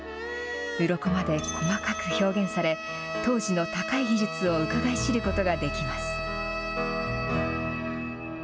うろこまで細かく表現され当時の高い技術をうかがい知ることができます。